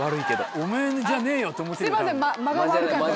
おめぇじゃねえよって思ってる。